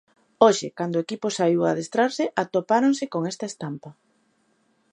Hoxe, cando o equipo saíu a adestrarse, atopáronse con esta estampa.